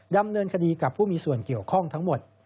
ดำเนินคดีกับผู้มีส่วนเกี่ยวข้องทั้งหมด